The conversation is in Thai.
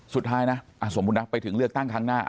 สุดท้ายนะสมมุตินะไปถึงเลือกตั้งครั้งหน้า